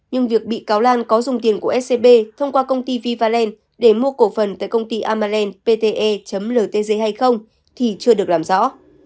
nhưng việc bị cáo lan có dùng tiền của scb thông qua công ty vivaland để mua cổ phần tại công ty amalland pte ltg hay không thì chưa được làm rõ